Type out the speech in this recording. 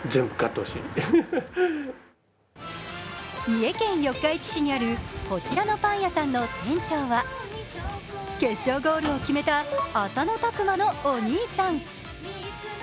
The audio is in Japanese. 三重県四日市市にあるこちらのパン屋さんの店長は決勝ゴールを決めた浅野拓磨のお兄さん。